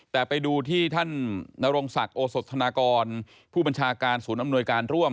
แต่ไปดูที่ท่านนรงศักดิ์โอสธนากรผู้บัญชาการศูนย์อำนวยการร่วม